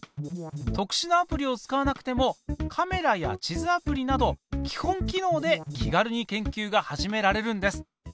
特殊なアプリを使わなくてもカメラや地図アプリなど基本機能で気軽に研究が始められるんです。